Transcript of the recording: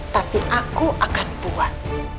tapi aku akan buat